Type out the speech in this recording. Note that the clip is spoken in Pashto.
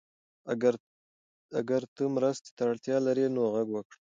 اگر ته مرستې ته اړتیا لرې نو غږ وکړه.